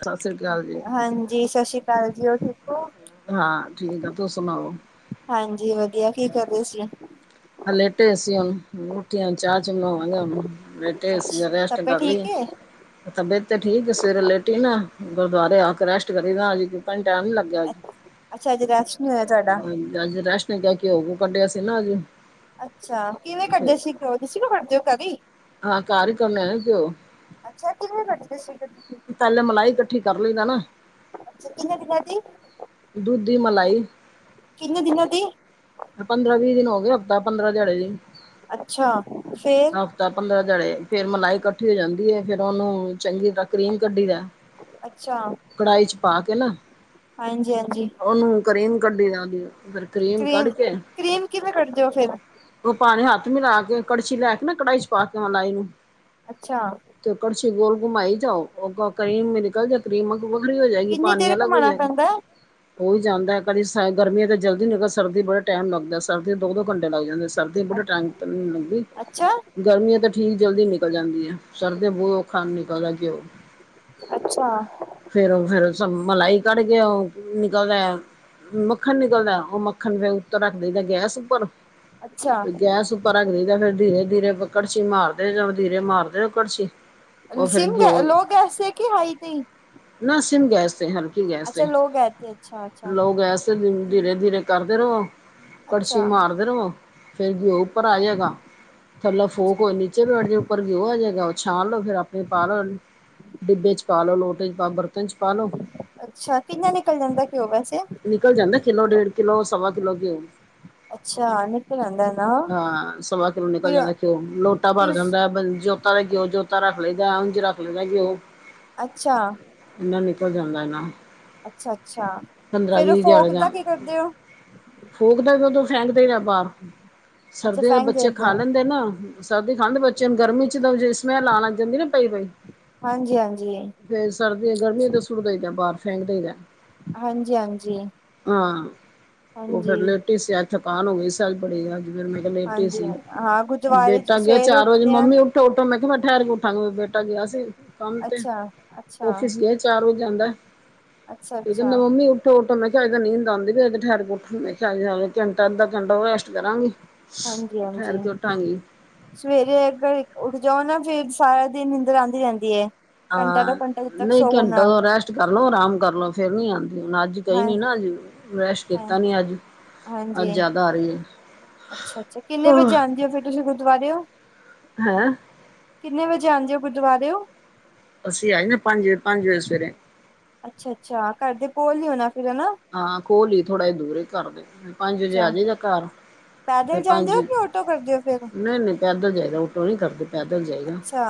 ਸਤਿ ਸ੍ਰੀ ਅਕਾਲ ਜੀ ਹਾਂਜੀ ਸਤਿ ਸ਼੍ਰੀ ਅਕਾਲ ਜੀ ਹੋਰ ਠੀਕ ਹੋ। ਹਾਂ ਠੀਕ ਆ ਤੁੂੰਂ ਸੁਣਾਓ? ਹਾਂਜੀ ਵਧੀਆ ਕੀ ਕਰਦੇ ਸੀ? ਲੈਟ ਅਏ ਊਟੀਆਂ ਚਾਰਜ ਵਦੇ ਲ। ਤੇ ਅਸੀਂ ਹੁਣ ਅੱਛਾ ਰੈਸਟ ਤਬੀਅਤ ਠੀਕ ਕਰਲਈਏ। ਏ? ਤਬੀਅਤ ਤੇ ਠੀਕ ਸਵੇਰੇ ਲੇਟੀ ਨਾ ਗੁਰਦੁਆਰੇ ਆ ਕੇ ਰੈਸਟ ਕਰੀ ਦਾ ਟਾਈਮ ਨੀ ਲੱਦਾ। ਅੱਛਾ ਅੱਜ ਰੈਸਟ ਨੀ ਹੋਇਆ ਤੁਹਾਡਾ ਹਾਂ ਅੱਜ ਰੈਸ਼ਨ ਨੇ ਕ ਕੇ ਹੋਗੂ ਕੱਢਿਆ ਸੀ ਨਾ ਅਜ। ਅੱਛਾ ਕਿਹਨੇ ਕੱਢੇ ਸੀ ਕਿਉ ਸੀ ਨੂੰ ਫੱਦੇ ਹੋ ਕਦੀ। ਹਾਂ ਕਾਰ ਕਰਨ ਅੱਛਾ ਕਿਵੇਂ ਕੱਢਦੇ ਸੀ ਫਿਰ ਤੁਸੀਂ ਕੋਈ। ਪਹਿਲੇ ਮਲਾਈ ਇਕੱਠੀ ਕਰ ਲਈਦਾ ਨਾ ਅੱਛਾ ਕਿੰਨੇ ਦਿਨਾਂ ਦੀ ਦੁੱਧ ਦੀ ਮਲਾਈ। ਕਿੰਨੇ ਦਿਨਾਂ ਦੀ? ਪੰਦਰਾਂ ਵੀਹ ਦਿਨ ਹੋ ਗਿਆ ਹਫ਼ਤਾ, ਪੰਦਰਾਂ ਦਿਹਾੜੇ ਦੀ। ਅੱਛਾ, ਫੇਰ? ਹਫ਼ਤਾ ਪੰਦਰਾਂ ਦਿਹਾੜੇ, ਫੇਰ ਮਲਾਈ ਇਕੱਠੀ ਹੋ ਜਾਂਦੀ ਏ, ਫੇਰ ਉਹਨੂੰ ਚੰਗੀ ਤਰ੍ਹਾਂ ਕਰੀਮ ਕੱਢੀ ਦਾ, ਅੱਛਾ ਕੜਾਹੀ ਚ ਪਾ ਕੇ ਨਾ ਹਾਂਜੀ ਹਾਂਜੀ। ਉਹਨੂੰ ਕਰੀਮ ਕੱਢੀ ਦਾ ਉਹਨੂੰ, ਫੇਰ ਕਰੀਮ ਕਰੀਮ ਕੱਢ ਕੇ ਕਰੀਮ ਕਿਵੇਂ ਕੱਢਦੇ ਹੋ ਫੇਰ? ਉਹ ਪਾਣੀ ਹੱਥ ਮਿਲਾ ਕੇ, ਕੜਛੀ ਲੈ ਕੇ ਨਾ ਕੜਹੀ ਚ ਪਾ ਕੇ ਮਲਾਈ ਅੱਛਾ। ਤੇ ਕੜਛੀ ਗੋਲ ਘੁਮਾਈ ਜਾਓ, ਉਹ ਕਰੀਮ ਨਿਕਲ ਜੇ ਕਰੀਮ ਵੱਖਰੀ ਹੋ ਜਾਏਗੀ, ਕਿੰਨੀ ਪਾਣੀ ਦੇਰ ਅਲੱਗ ਹੋ ਘੁਮਾਣਾ ਜਾਏਗਾ। ਪੈਂਦਾ ਹੋ ਹੀ ਜਾਂਦਾ, ਕਦੀ ਸ ਗਰਮੀਆਂ ਚ ਜਲਦੀ ਨਿਕਲ, ਸਰਦੀ ਬੜਾ ਟਾਈਮ ਲੱਗਦਾ। ਸਰਦੀਆਂ ਦੋ ਦੋ ਘੰਟੇ ਲੱਗ ਜਾਂਦੇ, ਸਰਦੀਆਂ ਬੜੇ ਟਾਈਮ ਤੇ ਨੀ ਲੱਗਦੀ। ਅੱਛਾ ਗਰਮੀਆਂ ਤਾਂ ਠੀਕ ਜਲਦੀ ਨਿਕਲ ਜਾਂਦੀ ਐ, ਸਰਦੀ ਬਹੁਤ ਔਖਾ ਨਿਕਲਦਾ ਘਿਓ। ਅੱਛਾ। ਫੇਰ ਉਹ ਫੇਰ ਮਲਾਈ ਕੱਢ ਕੇ ਉਹ ਨਿਕਲਦਾ ਮੱਖਣ ਨਿਕਲਦਾ, ਉਹ ਮੱ ਮੱਖਣ ਫਿਰ ਉੱਤੇ ਰੱਖ ਦਈਦਾ ਗੈਸ ਉੱਪਰ, ਅੱਛਾ ਗੈਸ ਉੱਪਰ ਉੱਪਰ ਰੱਖ ਦਈਦਾ, ਫੇਰ ਦੀਰੇ ਦੀਰੇ ਕੜਛੀ ਮਾਰਦੇ ਜਾਉ, ਦੀਰੇ ਮਾਰਦੇ ਜਾਉ ਕੜਛੀ। ਉਹ ਫਿਰ ਸਿਮ ਗ ਘਿਓ ਲੋ ਗੈਸ ਤੇ ਕਿ ਹਾਈ ਤੇ ਈ। ਨਾ ਸਿੰਮ ਗੈਸ ਤੇ, ਹਲਕੀ ਗੈਸ ਅੱਛਾ ਤੇ, ਲੋਕ ਗਏ ਤੇ ਅੱਛਾ ਅੱਛਾ ਲੋਅ ਗੈਸ ਦੀਰੇ ਦੀਰੇ ਕਰਦੇ ਰਓ, ਕੜਛੀ ਅੱਛਾ ਮਾਰਦੇ ਰਵੋ, ਫੇਰ ਗਿਓ ਉੱਪਰ ਆ ਜੇਗਾ, ਥੱਲੋੱ ਫੂਕ ਹੋਏ ਨੀਚੇ ਬੈਠ ਜੇ ਉੱਪਰ ਗਿਓ ਆ ਜੇਗਾ। ਛਾਣ ਲੋ, ਫਿਰ ਆਪੇ ਪਾ ਲਓ, ਡਿੱਬੇ ਚ ਪਾਲੋ, ਲੋਟੇ ਚ ਪਾਉ, ਬਰ ਬਰਤਨ ਚ ਪਾ ਲੋੋ, ਅੱਛਾ ਕਿੰਨਾ ਨਿਕਲ ਜਾਂਦਾ ਘਿਓ ਵੈਸੇ ਨਿਕਲ ਜਾਂਦਾ ਕਿਲੋ ਡੇਢ ਕਿੱਲੋ ਸਵਾ ਕਿਲੋ ਗਿਓ। ਅੱਛਾ ਨਿਕਲ ਆਂਦਾ ਨਾ ਹਾਂ, ਸਵਾ ਕਿੱਲੋ ਨਿਕਲ ਫਿਰ ਜਾਂਦਾ ਘਿਓ, ਲੋਟਾ ਭਰ ਫਿਰ ਜਾਂਦਾ। ਜੋਤਾ ਦਾ ਘਿਓ, ਜੋਤਾ ਰੱਖ ਲਈਦਾ, ਉੰਝ ਰੱਖ ਲਈਦਾ ਘਿਓ। ਅੱਛਾ। ਇੰਨਾ ਨਿਕਲ ਜਾਂਦਾ ਏ ਨਾ। ਅੱਛਾ ਅੱਛਾ, ਫਿਰ ਓ ਫੋਕ ਦਾ ਕੀ ਕਰਦੇ ਓ? ਫੋਕ ਦਾ ਵੀ ਉਦੋਂ ਫੈਂਕ ਦੇਈਦਾ ਬਾਹਰ, ਅੱਛਾ ਸਰਦੀਆਂ ਦੇ ਫੈਂਕ ਬੱਚੇ ਦਿੰਦੇ ਖਾ ਹੋ ਲੈਂਦੇਂ ਨਾ। ਸਰਦੀ ਖਾਂਦੇ ਬੱਚਿਆਂ ਨੂੰ, ਗਰਮੀ ਚ ਤਾਂ ਜਿਵੇਂ ਸਮੈਲ ਆਣ ਲੱਗ ਜਾਂਦੀ ਨਾ ਪਈ ਪਈ। ਹਾਂਜੀ ਹਾਂਜੀ ਫੇਰ ਸਰਦੀ, ਗਰਮੀਆਂ ਚ ਸੁੱਟ ਦਈਦਾ ਬਾਹਰ ਫੈਂਕ ਦਈਦਾ। ਹਾਂਜੀ ਹਾਂਜੀ। ਹਾਂ, ਉਹ ਫਿਰ ਹਾਂਜੀ ਲੇਟੀ ਸੀ ਅੱਜ ਥਕਾਨ ਹੋ ਗਈ ਸੀ ਅੱਜ ਬੜੀ। ਫਿਰ ਮੈਂ ਕਿਹਾ ਲੇਟੀ ਹਾਂਜੀ ਸੀ, ਹਾਂ ਗੁਰਦੁਆਰੇ ਬੇਟਾ ਗਿਆ ਸਵੇਰੇ ਚਾਰ ਵਜੇ ਉੱਠਦੇ ਆ ਮੰਮੀ ਉ ਉੱਠੋ ਉੱਠੋ ਮੈਂ ਕਿਹਾ ਮੈਂ ਠਹਿਰ ਕੇ ਉੱਠਾਂਗੀ, ਬੇਟਾ ਗਿਆ ਸੀ ਕੰਮ ਤੇ ਅੱਛਾ ਅੱਛਾ ਔਫਿਸ ਗਿਆ ਸੀ। ਚਾਰ ਵਜੇ ਆਂਦਾ, ਅੱਛਾ ਫਿਰ ਅੱਛਾ ਕਹਿੰਦਾ ਮੰਮੀ ਉੱਠੋ ਉੱਠੋ, ਮੈਂ ਕਿਹਾ ਹਜੇ ਤਾ ਨੀਂਦ ਆਂਦੀ ਪਈ ਅਜੇ ਠਹਿਰ ਉੱਠ [inaudible] ਘੰਟਾ ਅੱਧਾ ਘੰਟਾ ਹੋਰ ਰੈਸਟ ਕਰਾਂਗੀ। ਹਾਂਜੀ ਹਾਂਜੀ। ਠਹਿਰ ਕੇ ਉਠਾਂਗੀ ਸਵੇਰੇ ਇਕ ਘੜੀ ਅਗਰ ਉੱਠ ਜਾਓ ਨਾ ਫੇਰ ਸਾਰਾ ਦਿਨ ਨੀਂਦਰ ਆਂਦੀ ਰਹਿੰਦੀ ਏ। ਹਾਂ। ਨਹੀਂ ਘੰਟਾ ਰੈਸਟ ਕਰ ਲਓ, ਆਰਾਮ ਕਰ ਲਓ ਫਿਰ ਨੀ ਆਂਦੀ, ਹੁਣ ਅੱਜ ਗਈ ਹਾਂ ਨੀ ਨਾ ਅੱਜ ਰੈਸਟ ਹਾਂ ਕੀਤਾ ਨੀ ਅੱਜ। ਹਾਂਜੀ। ਅੱਬ ਜ਼ਿਆਦਾ ਆ ਰਹੀ ਏ। ਅੱਛਾ- ਅੱਛਾ ਕਿੰਨੇ ਵਜੇ ਆਉਂਦੇ ਹੋ ਫੇਰ ਤੁਸੀਂ ਗੁਰਦਵਾਰੇੳ। ਹੈਂ ਕਿੰਨੇ ਵਜੇ ਆਉਦੇ ਹੋ ਗੁਰਦੁਆਰੇਓ? ਅਸੀਂ ਆ ਜਾਨੇ ਆ ਪੰਜ ਵਜੇ-ਪੰਜ ਵਜੇ ਸਵੇਰੇ। ਅੱਛਾ- ਅੱਛਾ ਘਰ ਦੇ ਕੋਲ ਈ ਹੋਨਾ ਫੇਰ ਹੈਨਾ। ਹਾਂ ਕੋੋਲ ਈ ਏ ਥੋੜਾ ਹੀ ਦੂਰ ਏ ਘਰਦੇ ਪੰਜ ਵਜੇ ਅੱਛਾ ਆ ਜਾਈਦਾ ਘਰ। ਫਿਰ ਪੈਦਲ ਜਾਂਦੇ ਪੰਜ ਹੋ ਕਿ ਔਟੋ ਕਰਦੇ ਹੋ ਫੇਰ? ਨਹੀਂ ਨਹੀਂ ਪੈਦਲ ਜਾਏਦਾ ਓਟੋ ਨਹੀਂ ਕਰਦੇ ਪੈਦਲ ਜਾਏਦਾ। ਅੱਛਾ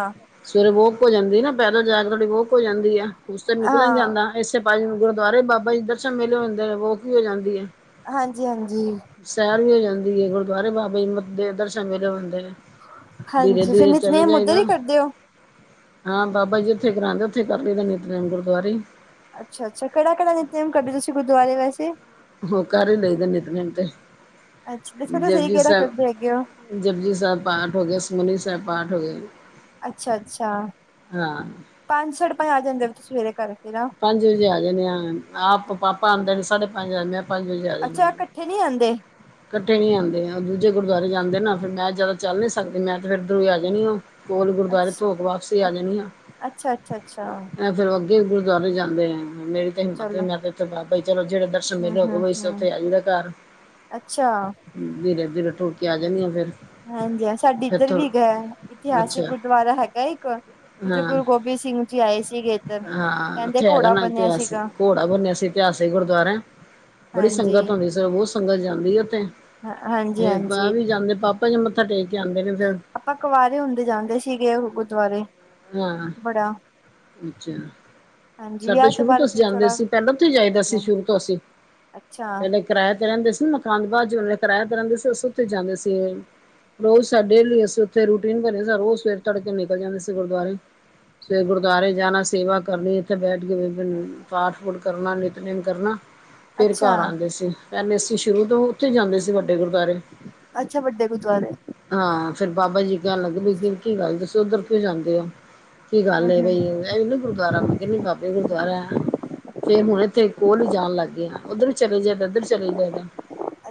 ਸਵੇਰੇ ਵੋਕ ਹੋ ਜਾਂਦੀ ਏ ਨਾ, ਪੈਦਲ ਜਾ ਕੇ ਥੋੜੀ ਵੋਕ ਹੋ ਜਾਂਦੀ ਆ, ਉਸ ਤੇ ਨਿਕਲਿਆ ਨੀ ਹਾਂ ਜਾਂਦਾ। ਇਸੇ ਪੱਜ ਗੁਰਦੁਆਰੇ ਬਾਬਾ ਜੀ ਦਰਸ਼ਨ ਮੇਲੇ ਹੋਂਦੇ ਨੇ ਵੋਕ ਵੀ ਹੋ ਜਾਂਦੀ ਏ। ਹਾਂਜੀ- ਹਾਂਜੀ। ਸੈਰ ਵੀ ਹੋ ਜਾਂਦੀ ਏ ਗੁਰਦੁਆਰੇ ਬਾਬਾ ਜੀ ਦੇ ਦਰਸ਼ਨ ਮੇਲੇ ਹੁੰਦੇ ਨੇ। ਹਾਂਜੀ ਫਿਰ ਧੀਰੇ-ਧੀਰੇ ਚਲੇ ਨਿਤਨੇਮ ਉੱਧਰ ਜਾਇਦਾ। ਹੀ ਕਰਦੇ ਹੋ ਹਾਂ ਬਾਬਾ ਜੀ ਉੱਥੇ ਕਰਾਉਂਦੇ ਉੱਥੇ ਹੀ ਕਰ ਲਇਦੈ ਨਿਤ-ਨੇਮ ਗੁਰਦੁਆਰੇ ਹੀ। ਅੱਛਾ- ਅੱਛਾ ਕਿਹੜਾ-ਕਿਹੜਾ ਨਿਤ-ਨੇਮ ਕਰਦੇ ਤੁਸੀਂ ਗੁਰਦੁਆਰੇ ਵੈਸੇ। ਹੋ ਕਰ ਹੀ ਲਈਦਾ ਨਿਤ-ਨੇਮ ਤੇ ਅੱਛਾ ਦੱਸੋ ਤਾਂ ਸਹੀ 'ਜਪਜੀ ਕਿਹੜਾ ਕਰਦੇ ਹੈਗੇ ਹੋ ਸਾਹਿਬ'। 'ਜਪਜੀ ਸਾਹਿਬ' ਪਾਠ ਹੋ ਗਿਆ 'ਸੁਖਮਨੀ ਸਾਹਿਬ' ਪਾਠ ਹੋ ਗਿਆ। ਅੱਛਾ- ਅੱਛਾ ਹਾਂ ਪੰਜ, ਸਾਢੇ ਪੰਜ ਆ ਜਾਂਦੇ ਹੋ ਤੁਸੀ ਸਵੇਰੇ ਕਰਕੇ। ਪੰਜ ਵਜੇ ਆ ਜਾਨੇ ਆ, ਆਪ ਪਾਪਾ ਆਉਂਦੇ ਨੇ ਸਾਢੇ ਪੰਜ ਆਨੇ ਆਂ। ਪੰਜ ਵਜੇ ਆ ਜਾਨੇ ਅੱਛਾ ਆ। ਇਕੱਠੇ ਨਹੀਂ ਆਉਂਦੇ ਇਕੱਠੇ ਨੀ ਆਉਂਦੇ ਓਹ ਦੂਜੇ ਗੁਰਦੁਆਰੇ ਜਾਂਦੇ ਨਾ, ਫੇਰ ਮੈਂ ਜਿਆਦਾ ਚੱਲ ਨੀ ਸਕਦੀ ਮੈਂ ਤੇ ਫੇਰ ਇੱਧਰੋਂ ਹੀ ਆ ਜਾਣੀ ਆ। ਕੋਲ ਗੁਰਦੁਆਰੇ ਅੱਛਾ ਤੋਂ ਹੋਕੇ ਵਾਪਸੀ ਆ ਜਾਂਨੀ ਆ। ਅੱਛਾ ਅੱਛਾ ਅੱਛਾ ਇਹ ਫੇਰ ਅੱਗੇ ਗੁਰਦੁਆਰੇ ਜਾਂਦੇ ਨੇ ਮੇਰੀ ਤੇ ਹਿੰਮਤ ਨੀ ਚਲੋ ਮੈਂ ਇਥੇ ਬਾਬਾ ਜੀ ਚਲੋ ਜਿਹੜੇ ਦਰ ਸ਼ਨ ਹਮ ਮੇਲੇ ਹੋਗ ਹਮ ਬੈਸੇ ਹਮ ਉੱਥੇ ਆ ਜਾਂਇਦੈ ਘਰ ਅੱਛਾ ਧੀਰੇ- ਧੀਰੇ ਟੁਰ ਕੇ ਆ ਜਾਂਨੀ ਆਂ। ਹਾਂਜੀ ਹਾਂ, ਸਾਡੇ ਇੱਧਰ ਵੀ ਹੈਗਾ ਇਤਿਹਾਸਿਕ ਅੱਛਾ ਗੁਰਦੁਆਰਾ ਹੈਗਾ ਇੱਕ। ਹਾਂ ਇਥੇ'ਗੁਰੂ ਗੋਬਿੰਦ ਸਿੰਘ ਜੀ'ਆਏ ਸੀਗੇ ਇੱਧਰ ਕਹਿੰਦੇ ਇਹਦਾ ਘੋੜਾ ਨਾ ਬਣਿਆ ਇਤਿਹਾਸਿਕ, ਸੀਗਾ ਘੋੜਾ ਬੁਨਿਆਸੀ ਇਤਿਹਾਸਿਕ ਗੁਰਦੁਆਰਾ ਏ ਬੜੀ ਹਾਂਜੀ ਸੰਗਤ ਆਂਦੀ। ਸਵੇਰੇ- ਸਵੇਰੇ ਬਹੁਤ ਸੰਗਤ ਜਾਂਦੀ ਏਥੇ। ਹਾਂਜੀ ਤੇ ਹਾਂਜੀ ਪਾਵੀ ਜਾਂਦੇ ਪਾਪ ਆਂਦੇ, ਮੱਥਾ ਟੇਕ ਕੇ ਆਂਦੇ ਨੇ ਫੇਰ ਆਪਾਂ, ਕੁਵਾਰੇ ਹੁੰਦੇ ਜਾਂਦੇ ਸੀਗੇ ਗੁਰਦੁਆਰੇ। ਹਾਂ- ਬੜਾ ਅੱਛਾ। ਹਾਂਜੀ ਸਾਡੇ ਵਿਆਹ ਸ਼ੁਰੂ ਤੋਂ ਬਾਅਦ ਅਸੀਂ ਫਿਰ ਜਾਂਦੇ ਥੋੜਾ ਸੀ ਪਹਿਲਾਂ ਤੋਂ ਘੱਟ ਜਾਈਦਾ ਹੀ ਸੀ। ਗਿਆ ਸ਼ੁਰੂ ਤੋਂ ਅਸੀ, ਅੱਛਾ ਪਹਿਲੇ ਕਿਰਾਏ ਤੇ ਰਹਿੰਦੇ ਸੀ ਮਕਾਨ, ਬਾਦ ਜੇ ਕਿਰਾਇਆ ਤੇ ਰਹਿੰਦੇ ਸੀ। ਉਸ ਥੇ ਜਾਂਦੇ ਸੀ ਓ, ਰੋਜ਼ ਸਾ ਡੇਲੀ, ਅਸੀਂ ਉੱਥੇ ਰੂਟੀਨ ਬੰਨਿਆ, ਰੋਜ਼ ਸਵੇਰ ਤੜਕੇ ਨਿਕਲ ਜਾਂਦੇ ਸੀ ਗੁਰਦੁਆਰੇ। ਸਵੇਰੇ ਗੁਰਦੁਆਰੇ ਜਾਣਾ, ਸੇਵਾ ਕਰਨੀ। ਉੱਥੇ ਬੈਠ ਕੇ ਰੋਜ਼ ਪਾਠ- ਪੂਠ ਕਰਨਾ, ਨਿਤ ਨੇਮ ਕਰਨਾ ਫੇਰ ਅੱਛਾ ਘਰ ਆਉਂਦੇ ਸੀ। ਪਹਿਲੇ ਅਸੀਂ ਸ਼ੁਰੂ ਤੋਂ ਉੱਥੇ ਜਾਂਦੇ ਸੀ, ਵੱਡੇ ਗੁਰਦੁਆਰੇ। ਅੱਛਾ ਵੱਡੇ ਗੁਰਦੁਆਰੇ ਹਾਂ ਫੇਰ ਬਾਬਾ ਜੀ ਕਹਿਣ ਲੱਗ, ਵੀ ਕੀ ਗੱਲ ਦੱਸੋ ਉਧਰ ਕਿਓ ਜਾਂਦੇ ਹੋ। ਕੀ ਗੱਲ ਹਮ ਏ ਹਮ ਬਾਈ ਐ ਨਹੀਂ ਗੁਰਦੁਆਰਾ, ਮੈਂ ਕਿਹਾ ਨੀ ਬਾਬੇ ਗੁਰਦੁਆਰਾ ਐ। ਫੇਰ ਹੁਣ ਇੱਥੇ ਕੋਲ ਹੀ ਜਾਣ ਲੱਗ ਗਏ ਨਾ। ਉੱਧਰ ਵੀ ਚਲੇ ਜਾਈਦਾ, ਇੱਧਰ ਵੀ ਚਲੇ ਜਾਈਦਾ।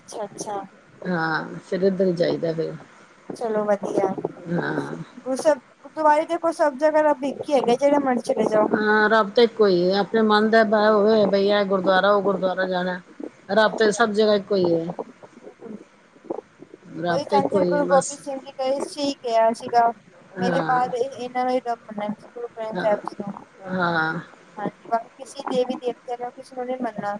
ਅੱਛਾ- ਅੱਛਾ। ਹਾਂ ਫੇਰ ਇਧਰ ਹੀ ਜਾਈਦ। ਫੇਰ, ਚਲੋ ਵਧੀਆ। ਹਾਂ ਗੁਰੂ ਸਾਹਿਬ, ਗੁਰਦੁਆਰੇ ਦੇਖੋ ਸਭ ਜਗਾ ਰੱਬ ਇੱਕ ਹੀ ਹੈਗਾ। ਜਿਹੜਾ ਮਰਜ ਚਲੇ ਜਾਓ। ਹਾਂ ਰੱਬ ਤਾ ਇੱਕੋ ਈ ਐ, ਆਪਣੇ ਮਨ ਦਾ ਭਾਵ ਹੋਏ ਬਈ ਇਹ ਗੁਰਦੁਆਰਾ ਔ, ਗੁਰਦੁਆਰਾ ਜਾਣਾ। ਰੱਬ ਤੇ, ਹਾਂਜੀ ਸਭ ਜਗਾ ਇੱਕੋ ਈ ਐ। ਔਈ ਕਹਿੰਦੇ, ਇੱਕੋ ਹੀ ਗੁਰੂ ਗੋਬਿੰਦ ਬਸ ਸਿੰਘ ਜੀ ਨੇ ਸਈ ਕਿਹਾ ਸੀਗਾ, ਮੇਰੇ ਹਾਂ ਬਾਦ ਇਹਨਾਂ ਨੇ ਸਭ ਮੰਨੇ, ਗੁਰੂ ਗ੍ਰੰਥ ਹਾਂ ਸਾਹਿਬ ਜੀ ਨੂੰ ਹਾਂ ਹਾਂਜੀ ਬਾਕੀ ਕਿਸੇ ਦੇਵੀ ਦੇਵਤੇ ਨੂੰ ਕਿਸੇ ਨੂੰ ਨੀ ਮੰਨਣਾ।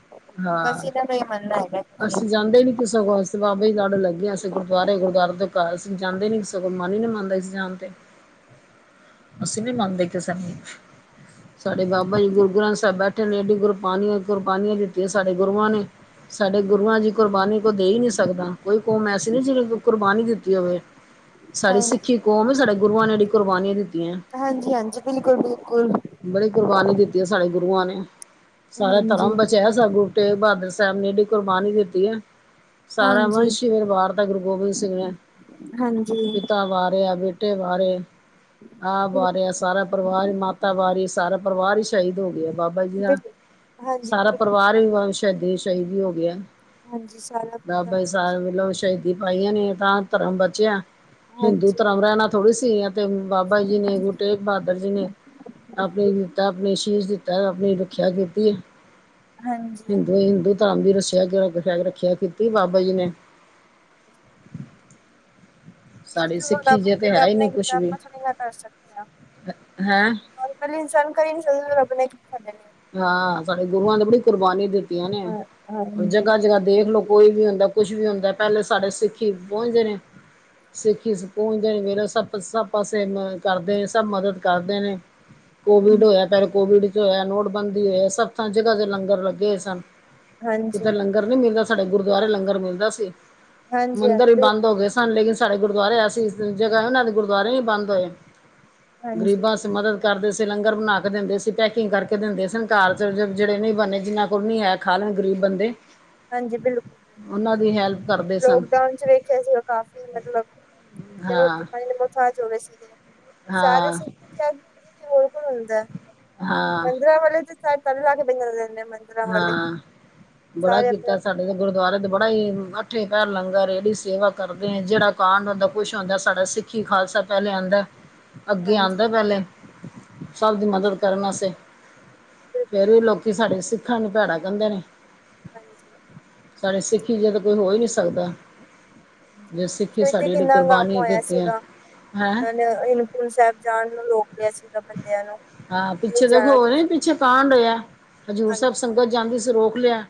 ਬਸ ਹਾਂ ਇਹਦਾ ਦਾ ਇਹ ਮੰਨਨਾ ਹੈਗਾ ਤੁਸੀਂ। ਅਸੀਂ ਜਾਂਦੇ ਨੀ ਸਗੋਂ ਅਸੀਂ ਬਾਬਾ ਲੜ ਲੱਗੇ ਆ ਅਸੀਂ ਗੁਰਦੁਆਰੇ ਗੁਰਦੁਆਰੇ ਤੋਂ ਘਰ, ਅਸੀ ਜਾਂਦੇ ਨੀ ਸਗੋਂ ਮਨ ਈ ਮੰਨਦਾ ਜਾਣ ਤੇ। [inaudible] ਅਸੀਂ ਨੀ ਮੰਨਦੇ ਕਿਸੇ ਨੂੰ ਸਾਡੇ ਬਾਬਾ ਜੀ ਗੁਰਦੁਆਰੇ ਸਾਹਿਬ ਬੈਠੇ ਨੇ, ਐਡੀ ਗੁਰਬਾਨੀਆਂ ਕੁਰਬਾਨੀਆਂ ਜੈ ਸਾਡੇ ਗੁਰੂ ਆ ਨੇ ਸਾਡੇ ਗੁਰੂਆਂ ਜੀ ਕੁਰਬਾਨੀ ਕੋਈ ਦੇ ਈ ਨੀ ਸਕਦਾ ਕੋਈ ਕੌਮ ਐਸੀ ਨੀ, ਜਿੰਨੇ ਕੁਰਬਾਨੀ ਦਿੱਤੀ ਹੋਵੇ। [inaudible] ਸਾਡੀ ਹਾਂਜੀ, ਸਿੱਖੀ ਕੌਮ ਐ, ਸਾਡੇ ਗੁਰੂਆਂ ਨੇ ਜਿਹੜੀ ਕੁਰਬਾਨੀਆਂ ਦਿੱਤੀਆਂ। ਹਾਂਜੀ-ਹਾਂਜੀ, ਬਿਲਕੁਲ-ਬਿਲਕੁਲ, ਬੜੀ ਕੁਰਬਾਨੀ ਦਿੱਤੀ ਐ ਸਾਡੇ ਗੁਰੂ ਆ ਨੇ, ਸਾਰਾ ਹਾਂਜੀ। ਧਰਮ ਬ [unintelligible] ਗੁਰੂ ਤੇਗ ਬਹਾਦਰ ਸਾਹਿਬ ਨੇ ਜਿਹੜੀ ਕੁਰਬਾਨੀ ਦਿੱਤੀ ਐ, ਸਾਰਾ ਹਾਂਜੀ, ਵੰਸ਼ ਈ ਵਾਰਤਾ ਗੁਰੂ ਗੋਬਿੰਦ ਸਿੰਘ ਨੇ, ਹਾਂਜੀ ਪਿਤਾ ਵਾਰਿਆ ਬੇਟੇ ਵਾਰੇ ਆਪ ਬਿਲ ਵਾਰਿਆ, ਸਾਰਾ ਪਰਿਵਾਰ ਈ ਮਾਤਾ ਵਾਰੀ, ਸਾਰਾ ਪਰਿਵਾਰ ਈ ਸ਼ਹੀਦ ਹੋ ਗਿਆ ਬਾਬਾ ਜੀ ਦਾ। ਬਿਲ ਹਾਂਜੀ ਸਾਰਾ ਬਿਲਕੁਲ, ਪਰਿਵਾਰ ਈ, ਬਿਲਕੁਲ ਵਨ ਸ਼ਹੀਦੀ-ਸ਼ਹੀਦੀ ਹੋ ਗਿਆ। ਹਾਂਜੀ [unintelligible] ਸਾਰੀਆਂ ਸ਼ਹੀਦੀ ਪਾਈਆਂ ਨੇ ਤਾਂ ਧਰਮ ਬਚਿਆ ਹਿੰਦੂ ਹਾਂਜੀ ਧਰਮ ਰਹਿਣਾ ਥੋੜ੍ਹੀ ਸੀ। ਤੇ ਬਾਬਾ ਜੀ ਨੇ, ਗੁਰੂ ਤੇਗ ਬਹਾਦਰ ਜੀ ਨੇ। ਆਪਣੇ ਬਿਲਕੁਲ ਦਿੱਤਾ ਆਪਣੇ ਸ਼ੀਸ਼ ਦਿੱਤਾ ਆਪਣੀ ਰੱਖਿਆ ਕੀਤੀ ਐ। ਹਾਂਜੀ, ਹਿੰਦੂ ਹਿੰਦੂ ਧਰਮ ਦੀ ਰੱਸਿਆ ਰੱਖਿਆ ਕੀਤੀ ਬਾਬਾ ਜੀ ਨੇ ਸਾਡੀ ਸਿੱਖੀ ਜੇ ਕਿ ਤੇ ਮੈਂ ਹੈ ਹੀ ਆਪਣਾ ਨਹੀਂ ਇੱਕ ਕੁਛ ਵੀ ਜੰਪਲ, ਥੋੜੀ ਨਾ ਦੱਸ ਸਕਦੀ ਆਂ। ਹੈਂ। [inaudible] ਹਾਂ ਸਾਡੇ ਗੁਰੂਆਂ ਨੇ ਬੜੀ ਕੁਰਬਾਨੀ ਦਿੱਤੀਆਂ ਨੇ, ਹਾਂ ਹਾਂਜੀ। ਜਗ੍ਹਾ-ਜਗ੍ਹਾ ਦੇਖ ਲੋ। ਕੋਈ ਵੀ ਹੁੰਦਾ, ਕੁਛ ਵੀ ਹੁੰਦਾ, ਪਹਿਲੇ ਸਾਡੇ ਸਿੱਖੀ ਹੂੰ ਪਹੁੰਚਦੇ ਨੇ। ਸਿੱਖੀ ਸਕੂਨ [unintelligible] ਸਭ ਪਾਸੇ ਕਰਦੇ, ਨੇ ਸਭ ਮਦਦ ਕਰਦੇ ਨੇ। ਕੋਵਿਡ ਹੂੰ ਹੋਇਆ ਪਰ ਕੋਵਿਡ ਚ ਹੋਇਆ, ਨੋਟਬੰਦੀ ਹੋਇਆ, ਸੱਥਾਂ ਜਗ੍ਹਾ ਤੇ ਲੰਗਰ ਲੱਗੇ ਹੋਏ ਸਨ। ਹਾਂਜੀ, ਕਿਤੇ ਲੰਗਰ ਨੀ ਮਿਲਦਾ, ਸਾਡੇ ਗੁਰਦੁਆਰੇ ਲੰਗਰ ਮਿਲਦਾ ਸੀ ਹਾਂਜੀ ਹਾਂ ਮੰਦਿਰ ਵੀ ਬੰਦ ਹੋ ਬਿਲਕੁਲ ਗਏ ਸ ਸਾਨੂੰ ਲੇਕਿਨ ਸਾਡੇ ਗੁਰਦੁਆਰੇ ਐਸੀ ਜਗਾ ਐ ਉਹਨਾਂ ਦੇ ਗੁਰਦੁਆਰੇ ਨੀ ਬੰਦ ਹੋਏ। ਹਾਂਜੀ, ਗਰੀਬਾਂ ਵਾਸਤੇ ਮਦਦ ਕਰਦੇ ਸੀ ਲੰਗਰ ਬਣਾ ਕੇ ਦਿੰਦੇ ਸੀ ਪੈਕਿੰਗ ਕਰਕੇ ਕਰਕੇ ਦਿੰਦੇ ਸਨ ਘਰ ਚਲਜੋ ਜਿਹੜੇ ਨੀ ਬਨੇ, ਜਿਨਾਂ ਕੋਲ ਨੀ ਐ ਖਾਣ ਨੂੰ ਗਰੀਬ ਬੰਦੇ। ਹਾਂਜੀ, ਬਿਲਕੁਲ ਉਹਨਾਂ ਦੀ ਹੈਲਪ ਕਰਦੇ ਸਨ ਲੋਕਡਾਊਨ ਚ ਵੇਖਿਆ ਸੀਗਾ ਕਾਫ਼ੀ ਮਤਲਬ, ਜੋ ਰੋਟੀ ਹਾਂ ਪਾਣੀ ਦੇ ਤਾਂ ਜੋੜੇ ਸੀਗੇ, ਸਾਰੇ ਹਾਂ ਸਿੱਖੀ ਤਿਆਗ [unintelligible] ਹਾਂ ਮੰਦਿਰਾਂ ਵਾਲੇ ਤੇ [unintelligible] ਤਾਲੇ ਲਾ ਕੇ [unintelligible] ਹਾਂ, ਬੜਾ ਸਾਰੇ ਆਪਣੇ ਕੀਤਾ ਆਪਣੇ ਸਾਡ ਸਾ ਘਰ। ਗੁਰਦੁਆਰੇ ਤੇ ਬੜਾ ਈ, ਅੱਠੇ ਪੈਰ ਲੰਗਰ ਏਡੀ ਸੇਵਾ ਕਰਦੇਂ ਜੇੜਾ ਕਾਂਡ ਹੁੰਦਾ ਕੁਛ ਹੁੰਦਾ ਸਾਡਾ ਸਿੱਖ ਕੀ ਖਾਲਸਾ ਪੈਲੇ ਆਂਦਾ। ਅੱਗੇ ਹਾਂਜੀ। ਆਂਦਾ ਪੈਲੇ, ਸਭ ਦੀ ਹਾਂਜੀ ਮਦਦ ਕਰਨ ਵਾਸਤੇ। ਬਿਲਕੁਲ ਫੇਰ ਵੀ ਲੋਕੀ ਬਿਲਕੁਲ ਸਾਡੇ ਸਿੱਖਾਂ ਨੂੰ ਭੈੜਾ ਕੇਦੇ ਨੇ। ਹਾਂਜੀ। ਸਾਡੇ ਸਿੱਖੀ ਜਿਆ ਤੇ ਕੋਈ ਹੋ ਈ ਨਹੀਂ ਸਕਦਾ! ਜੋ ਸਿੱਖੀ ਵੇਖਦੇ, ਸਾਡੀ ਜਿਹੜੀ ਕਿੰਨਾ ਕੰਮ ਕੁਰਬਾਨੀ ਹੋਇਆ ਕੀਤੀਆਂ ਸੀਗਾ। ਹੈਂ ਉਨ੍ਹਾਂ ਨੇ ਹੇਮਕੁੰਟ ਸਾਹਿਬ ਜਾਣ ਨੂੰ ਰੋਕ ਲਿਆ ਸੀਗਾ ਬੰਦਿਆਂ ਨੂੰ। ਹਾਂ, ਨਹੀਂ ਪਿੱਛੇ ਦੇਖੋ ਜਾਣਾ ਹੋਰ ਨੀ ਤੁਸੀਂ ਪਿੱਛੇ ਕਾਂਡ ਹੋਇਆ। ਹਜ਼ੂਰ ਸਾਹਿਬ ਹਾਂਜੀ ਸੰਗਤ ਜਾਂਦੀ ਸੀ, ਰੋਕ ਲਿਆ।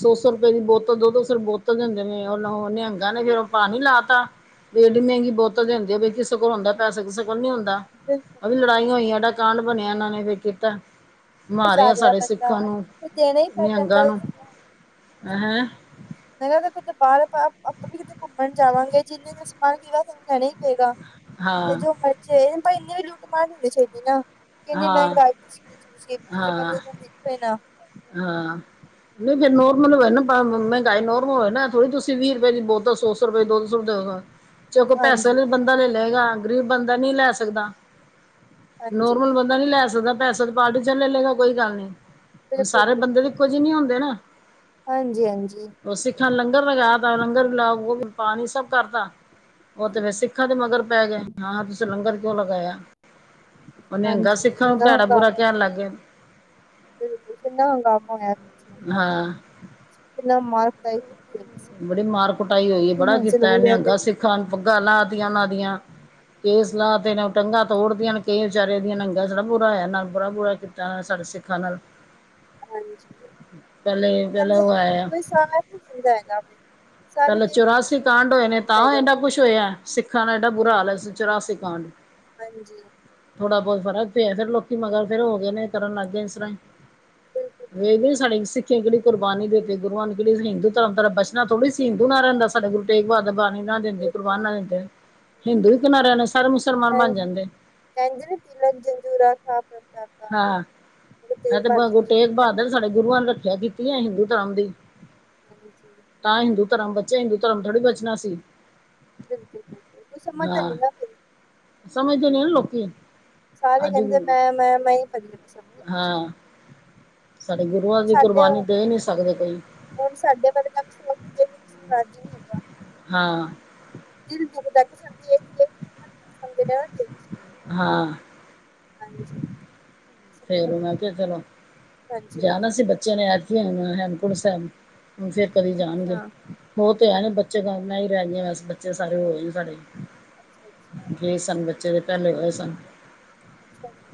ਸੋ-ਸੌ ਰੁਪੇ ਦੀ ਬੋਤਲ, ਦੋ-ਦੋ ਸੌ ਰੁ ਬੋਤਲ ਦੇਂਦੇ ਨੇ। ਓਹਨਾਂ ਨਿਹੰਗਾ ਨੇ ਫਿਰ ਓ ਪਾਣੀ ਲਾ ਤਾ। ਵੀ ਏਡੀ ਮਹਿੰਗੀ ਬੋਤੱਲ ਦੇਂਦੇ ਓ! ਬਈ ਕਿਸੇ ਕੋਲ ਹੁੰਦਾ ਪੈਸਾ, ਕਿਸੇ ਕੋਲ ਨਹੀਂ ਹੁੰਦਾ। ਬਿਲਕੁਲ ਐ ਵੀ ਲੜਾਈਆਂ ਬਿਲਕੁਲ ਹੋਈਆਂ ਦਾ ਕਾਂਡ ਬਣਿਆ! ਐਨਾਂ ਨੇ ਵੀ ਕੀਤਾਂ, ਜਾ ਮਾਰਿਆ ਰਿਹਾ ਸਾਡੇ ਬੰਦਾ ਸਿੱਖਾਂ ਨੂੰ ਫਿਰ ਦੇਣਾ ਹੀ ਪੈ ਜਾਂਦਾ ਨਿਹੰਗਾਂ ਵ ਨੂੰ। ਐਹ! ਮੈਂ ਕਿਹਾ, ਅਗਰ ਕਿਤੇ ਬਾਹਰ ਆਪਾਂ, ਆਪਾਂ ਵੀ ਕਿਤੇ ਘੁੰਮਣ ਜਾਵਾਂਗੇ, ਜਿੰਨੇ ਦਾ ਸਮਾਨ ਮਿਲੇਗਾ, ਤੁਹਾਨੂੰ ਲੈਣਾ ਹੀ ਪਏਗਾ। ਹਾਂ ਤੇ ਜੋ ਮਰਜ਼ੀ ਹੋਏ, ਪਰ ਇੰਨੀ ਵੀ ਲੁੱਟ ਮਾਰ ਨੀਂ ਹੋਣੀ ਚਾਹੀਦੀ ਨਾ। ਕਿੰਨੀ ਹਾਂ ਮਹਿੰਗਾਈ ਤੁਸੀਂ ਵੇਚੋ, ਤੁਸੀ ਦੂਜੇ ਹਾਂ ਬੰਦੇ ਵਾਲ ਦੇਖੋ ਨਾ। ਹਾਂ [unintelligible] ਨਹੀਂ, ਜੇ ਨੋਰਮਲ ਹੋਏ ਨਾ ਭਾਂ ਮਹਿੰਗਾਈ ਨੋਰਮਲ ਹੋਏ ਨਾ। ਐ ਥੋੜੀ ਤੁਸੀਂ ਵੀ ਰੁਪੇ ਦੀ ਬੋਤਲ ਸੌ-ਸੌ ਰੁਪਏ, ਦੋ-ਦੋ ਸੌ ਰੁਪੇ ਦੇਓ, ਹਾਂ! ਜੇ ਕੋਈ ਹਾਂਜੀ ਪੈਸੇਵਾਲਾ ਬੰਦਾ ਲੈ ਲਏਗਾ, ਗ਼ਰੀਬ ਬੰਦਾ ਨਹੀਂ ਲੈ ਸਕਦਾ। ਹਾਂਜੀ। ਨੋਰਮਲ ਬੰਦਾ ਨੀ ਲੈ ਸਕਦਾ, ਪੈਸਾ ਤੇ ਬਾਅਦ 'ਚ ਲੈ ਲੇਗਾ ਕੋਈ ਗੱਲ ਨਹੀਂ। ਹੁਣ ਬਿਲਕੁਲ ਸਾਰੇ ਬੰਦੇ ਤੇ ਇੱਕੋ ਜੇ ਨੀ ਹੁੰਦੇ ਨਾ? ਹਾਂਜੀ-ਹਾਂਜੀ। ਓ ਸਿੱਖਾਂ ਨੇ ਲੰਗਰ ਲਗਾਤਾ। ਲੰਗਰ [unintelligible] ਪਾਣੀ ਸਭ ਕਰਤਾ। ਓ ਤੇ ਫੇਰ ਸਿੱਖਾਂ ਦੇ ਮਗਰ ਪੈ ਗਏ! ਹਾਂ, ਤੁਸੀਂ ਲੰਗਰ ਕਿਉਂ ਲਗਾਇਆ? ਓ ਨਿਹੰਗਾਂ ਹਾਂਜੀ ਸਿੱਖਾਂ ਨੂੰ ਕਿੰਨਾ ਭੈੜਾ-ਬੁਰਾ ਹੰਗਾਮਾ ਕਹਿਣ ਲੱਗ ਹੋਇਆ ਗਏ! ਬਿਲਕੁਲ, ਕਿੰਨਾ ਹੰਗਾਮਾ ਹੋਇਆ ਪਿੱਛਲੇ ਦਿਨਾਂ 'ਚ, ਹਾਂ ਕਿੰਨਾ ਮਾਰ-ਕੁਟਾਈ ਬੜੀ ਮਾਰ-ਕੁਟਾਈ ਹੋਈ ਏ! ਬੜਾ ਹਿਮਾਚਲ ਕੀਤਾ, ਬੋਲਿਆ ਤੇ ਨਿਹੰਗਾ ਸਿੱਖਾਂ ਨੂੰ, ਪਗਾਂ ਲਾਹ ਤੀਆਂ ਉਨ੍ਹਾਂ ਦੀਆਂ। ਕੇ ਸਲਾਹ ਤੇ ਉਹ ਟੰਗਾਂ ਤੋੜ ਤਿਆਂ ਨੇ ਕਈ ਵਿਚਾਰੇ ਦੀਆਂ [unintelligible] ਬੁਰਾ ਹੋਇਆ ਨਾਲ ਬੜਾ ਬੁਰਾ ਕੀਤਾ। ਤਾਂ ਸਾਡੇ ਸਿੱਖਾਂ ਨਾਲ ਹਾਂਜੀ। ਪਹਿਲੇ ਪਹਿਲੇ ਕਹਿੰਦੇ ਉਹ ਐ ਆਇਆ ਇੱਕੋ ਈ ਸਾਲ ਏ ਕੀ ਚਾਈਦਾ ਹੈਗਾ ਵੇ? ਸਾਰੇ ਪਹਿਲੇ ਵੇਖਦੇ ਚੌਰਾਸੀ ਨੇ ਕੋਈ ਕਾਂਡ ਹੋਏ ਫੋਨ ਨੇ, ਨੀ ਤਾਂ ਹੈਗਾ ਇਨ੍ਹਾਂ ਕੁੱਛ ਹੋਇਆ ਸਿੱਖਾਂ ਦਾ ਏਡਾ ਬੁਰਾ ਹਾਲ ਹੋਇਆ ਸੀ ਚੌਰਾਸੀ ਕਾਂਡ। ਹਾਂਜੀ। ਥੋੜ੍ਹਾ ਬਹੁਤ ਫ਼ਰਕ ਪਿਆ, ਫੇਰ ਲੋਕੀ ਮਗਰ ਫੇਰ ਹੋ ਗਏ ਨੇ, ਕਰਨ ਲੱਗ ਗਏ ਨੇ ਇਸ ਤਰ੍ਹਾਂ ਹੀ। ਬਿਲਕੁਲ ਨਹੀਂ ਬਈ, ਬਿਲਕੁਲ ਸਾਡੇ ਸਿੱਖੀ ਕਿੱਡੀ ਕੁਰਬਾਨੀ ਦੇਤੀ। ਗੁਰੂਆਂ ਨੇ ਨਹੀਂ ਤਾਂ ਹਿੰਦੁ ਧਰਮ ਤੁਹਾਡਾ ਬਚਨਾ ਥੋੜੀ ਸੀ! ਹਿੰਦੂ ਨਾ ਰਹਿੰਦਾ, ਸਾਡੇ ਗੁਰੂ ਤੇੇਗ ਬਹਾਦਰ ਬਾਣੀ ਨਾ ਦਿੰਦੇ। ਕੁਰਬਾਨ ਬਿਲਕੁਲ ਨਾ ਦਿੰਦੇ, ਹਿੰਦੂ ਬਿਲਕੁਲ ਇਕ ਨਾ ਰਹਿਣਾ ਸ, ਸਾਰੇ ਮੁਸਲਮਾਨ ਬਨ ਹਾਂਜੀ ਜਾਂਦੇ! ਕਹਿੰਦੇ ਨੇ, ਤਿਲਕ ਜੰਞੂ ਰਾਖਾ ਪ੍ਰਭ ਕਾ। ਹਾਂ, ਐ ਤੇ ਬਸ ਗੁਰੂ ਤੇਗ ਸ਼ਬਦ ਬਹਾਦਰ ਹੈਗਾ ਸਾਡੇ ਗੁਰੂਆਂ ਨੇ ਰੱਖਿਆ ਕੀਤੀ ਏ ਹਿੰਦੂ ਧਰਮ ਦੀ! ਹਾਂਜੀ। ਤਾਂ ਹਿੰਦੂ ਧਰਮ ਬੱਚਿਆਂ, ਹਿੰਦੂ ਧਰਮ ਥੋੜੀ ਬਚਣਾ ਸੀ! ਬਿਲਕੁਲ ਬਿਲਕੁਲ ਕੋਈ ਸਮਝਦਾ ਨੀ ਹਾਂ, ਨਾ ਫਿਰ ਸਮਝਦੇ ਨਹੀਂ ਨਾ ਲੋਕੀ! ਸਾਰੇ ਅੱਜ ਕਹਿੰਦੇ ਮੈਂ, ਮੈਂ, ਮੈਂ ਭਲੀ ਮਸਾ ਹਾਂ! ਸਾਡੇ ਗੁਰੂਆਂ ਦੀ ਸਾਡੇ ਕੁਰਬਾਨੀ ਦੇ ਹੀ ਨਹੀਂ ਸਕਦੇ ਕੋਈ! ਹੁਣ ਸਾਡੇ ਬਾਰੇ ਤਾਂ ਵੀ ਸੋਚ ਜੇ ਵੀ, ਕਿਸੇ ਨੂੰ ਰਾਜ਼ੀ ਨਹੀ ਹੈਗਾ। [unintelligible] ਹਾਂ। ਦਿਲ ਬੁਹਤ ਦਰਦ ਸਮਝੇ [unintelligible] ਹਾਂ। ਹਜੇ ਫਿਰ ਉਹ ਮੈਂ ਕਿਹਾ ਚਲੋ। ਹਾਂਜੀ ਜਾਣਾ ਹਾਂਜੀ ਸੀ ਬੱਚਿਆਂ ਨੇ ਐਤ ਕੀ ਹੇਮਕੋਟ ਸਾਹਿਬ। ਹੁਣ ਫਿਰ ਕਦੀ ਜਾਣਗੇ। ਅੱਛਾ ਉਹ ਤੇ ਹੈ ਬੱਚੇ ਉਨਾ ਹੀ ਰਹਿ ਗਿਆ ਬੱਚੇ ਸਾਰੇ [unintelligible] ਸਾਰੇ ਅੱਛਾ ਅੱਛਾ ਗਰੇਸ ਤੁਹਾਨੂੰ ਬੱਚੇ ਦੇ ਪਹਿਲੇ ਹੋਏ ਸਨ। ਅੱਛਾ ਜੀ।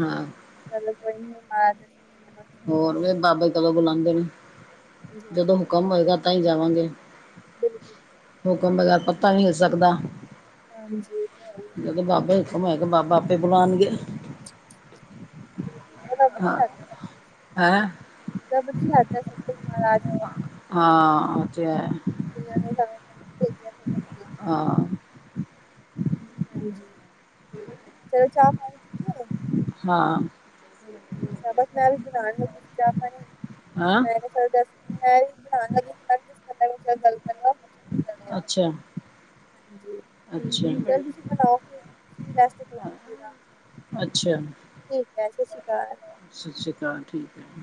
ਹਾਂ। [unintelligible] ਹੋਰ ਵੀ ਬਾਬੇ ਕਦੋਂ ਬੁਲਾਦੇ ਨੇ। ਜਦੋਂ ਹੁਕਮ [unintelligible] ਹੋਏਗਾ ਤਾਂ ਹੀ ਜਾਵਾਂਗੇ। ਬਿਲਕੁਲ। ਹੁਕਮ ਬਗੈਰ ਪੱਤਾ ਨਹੀਂ ਹਿਲ ਸਕਦਾ। ਹਾਂਜੀ। ਤਾਂ ਹੈ ਹੀ ਹੈ ਜਦੋਂ ਬਿਲਕੁਲ ਬਾਬਾ ਹੁਕਮ ਹੋਏਗਾ। ਬਾਬਾ ਆਪੇ ਬੁਲਾਣਗੇ। ਬਿਲਕੁਲ। ਐ ਰੱਬ ਨੀ ਆਂਦਾ ਐ ਰੱਬ ਨੀ ਆਉਂਦਾ ਸੀ ਮਹਾਰਾਜ ਦੇ ਹਾਂ, ਓ ਤੇ ਹੈ। ਜਨ੍ਹਾਂ ਨੇ ਸਾਨੂੰ ਭੇਜਿਆ ਧਰਤੀ ਤੇ ਹਾਂ। [inaudible] ਜੀ, ਚਲੋ ਚਾਹ [unintelligible] ਹਾਂ। ਸਗੋਂ ਮੈਂ ਵੀ ਧਿਆਨ ਰੱਖਦੀ ਚਾਹ ਪਾਣੀ ਹਾਂ ਮੈਂ ਚੱਲ ਦੱਸ ਮੈਂ ਵੀ ਧਿਆਨ ਰੱਖਦੀ ਮੈ ਕਿਆ ਚਲ ਦੱਸ-ਪੰਦਰਾ ਮਿੰਟ ਮੈ ਗੱਲ ਕਰ ਲਾ। ਅੱਛਾ। ਹਾਂਜੀ। ਅੱਛਾ ਚੱਲ ਤੁਸੀਂ ਬਲਾਓ ਫਿਰ ਤੁਸੀਂ ਵੀ ਰੈਸਟ ਕਰੋ ਜਿਹੜਾ ਅੱਛਾ ਠੀਕ ਹੈ ਸਤਿ ਸ਼੍ਰੀ ਅਕਾਲ। ਸਤਿ ਸ਼੍ਰੀ ਅਕਾਲ, ਠੀਕ ਹੈ।